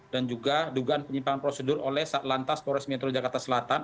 dan juga dugaan penyimpangan prosedur oleh sa'la lantras polres metro jakarta selatan